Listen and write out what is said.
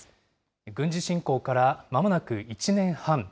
軍事侵攻からまもなく１年半。